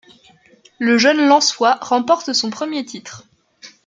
Le jeune lensois remporte son premier titre.